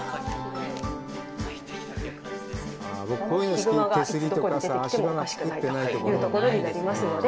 ヒグマがいつどこに出てきてもおかしくないというところになりますので。